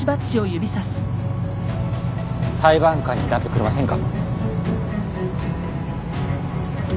裁判官になってくれませんか。